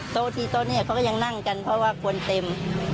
โต๊ะที่โต๊ะเนี่ยเขาก็ยังนั่งกันเพราะว่าคนเต็ม